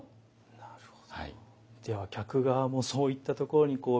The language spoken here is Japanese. なるほど。